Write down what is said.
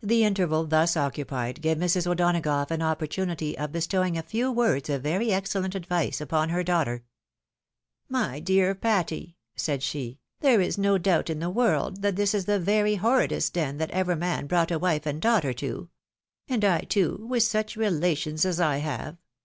The interval thus occupied gave Mrs. O'Donagough an opportunity of bestowing a few words of very excellent advice upon her daughter. " My dear Patty," said she, " there is no doubt in the 204 THE WIDpW MARRIED. ■world that this is the very horridest den that ever man brought a wife and daughter to. And I, too, with such relations as I have